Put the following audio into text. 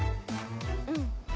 うん。